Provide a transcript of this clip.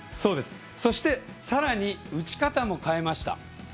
そして、さらに打ち方も変えました。